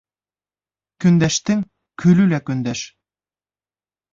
Көндәштең көлө лә көндәш.